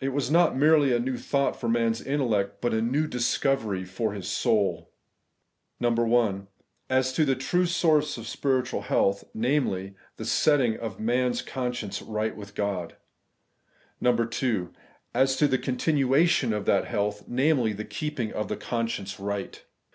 It was not merely a new thought for man's intellect, but a new dis covery for his soul, (1) As to the true source of spiritual health, viz. the setting of a man's con science right with God ; (2) As to the continuation of that health, viz. the keeping of the conscience right.